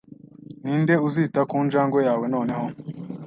Ninde uzita ku njangwe yawe noneho?